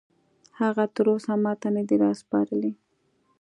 هغه تراوسه ماته نه دي راسپارلي